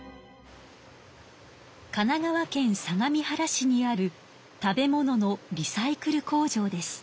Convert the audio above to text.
神奈川県相模原市にある食べ物のリサイクル工場です。